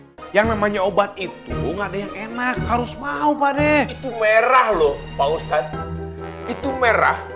hai yang memangnya obat itu enggak ada yang enak harus mau pade itu merah lho pak ustadz itu merah